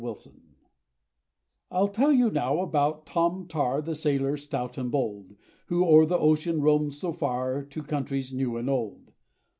I 'll tell you now about Tom Tar, The sailor stout and bold, Who o'er the ocean roamed so far, To countries new and old.